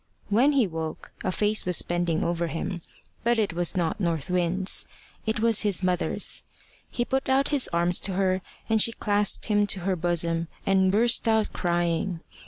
When he woke, a face was bending over him; but it was not North Wind's; it was his mother's. He put out his arms to her, and she clasped him to her bosom and burst out crying.